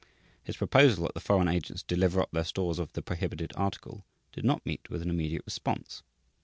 His proposal that the foreign agents deliver up their stores of "the prohibited article" did not meet with an immediate response.